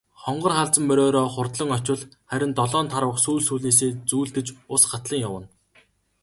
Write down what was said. Хонгор халзан мориороо хурдлан очвол харин долоон тарвага сүүл сүүлнээсээ зүүлдэж ус гатлан явна.